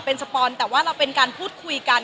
เป็นสปอนแต่ว่าเราเป็นการพูดคุยกัน